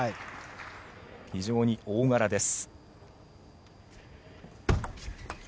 非常に大柄です。